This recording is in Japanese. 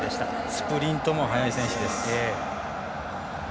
スプリントも速い選手です。